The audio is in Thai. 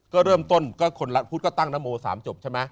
ก็เริ่มต้นคนบ